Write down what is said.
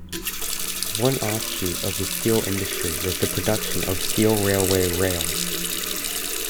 One offshoot of the steel industry was the production of steel railway rails.